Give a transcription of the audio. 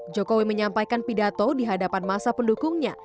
jokowi menyampaikan pidato di hadapan masa pendukungnya